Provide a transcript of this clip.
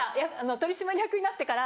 取締役になってから。